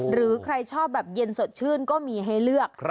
หรือใครชอบแบบเย็นสดชื่นก็มีให้เลือก